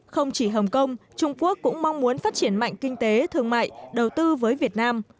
không chỉ hồng kông trung quốc cũng mong muốn phát triển mạnh kinh tế thương mại đầu tư với việt nam